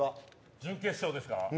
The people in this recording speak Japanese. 準決勝ですか。